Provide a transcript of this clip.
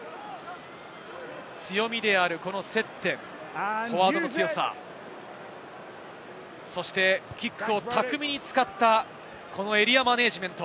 強みである接点、フォワードの強さ、そしてキックを巧みに使ったエリアマネジメント。